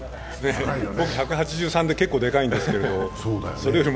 僕、１８３で結構高いんですけど。